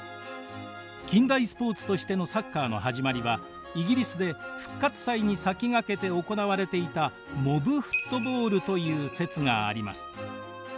近代スポーツとしてのサッカーの始まりはイギリスで復活祭に先駆けて行われていたモブフットボールという説があります。